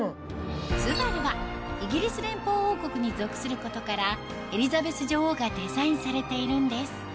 ツバルはイギリス連邦王国に属することからエリザベス女王がデザインされているんです